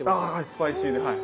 スパイシーではい。